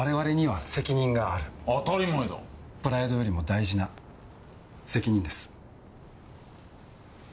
プライドよりも大事な責任です。